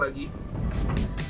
masih sedikit lagi